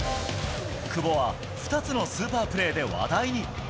久保は２つのスーパープレーで話題に。